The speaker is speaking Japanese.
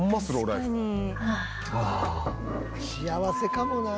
幸せかもな。